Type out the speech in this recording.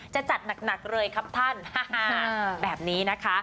จะจัดหนักเลยครับท่านแบบนี้นะคะ